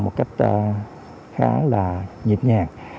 một cách khá là nhịp nhàng